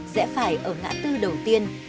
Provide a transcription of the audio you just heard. rẽ phải ở ngã tư đầu tiên